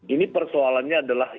ini persoalannya adalah